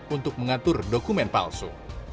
untuk mengatur dokumen palsu